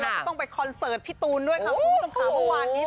เราจะต้องไปคอนเสิร์ตพี่ตูนด้วยค่ะคุณสงครามเมื่อวานนี้